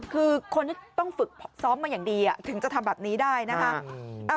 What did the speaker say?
คือคนที่ต้องฝึกซ้อมมาอย่างดีถึงจะทำแบบนี้ได้นะคะ